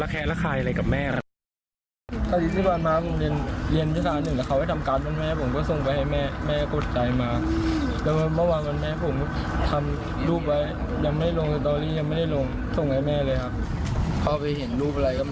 คิดว่าเป็นแม่แล้วคิดว่าแม่มีชู้